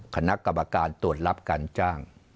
คณะกรรมการตรวจรับการจ้าง